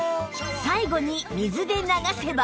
最後に水で流せば